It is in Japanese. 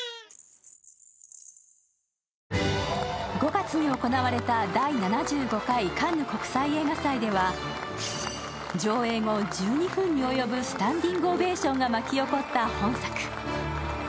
５月に行われた第７５回カンヌ国際映画祭では上映後１２分に及ぶスタンディングオベーションが巻き起こった本作。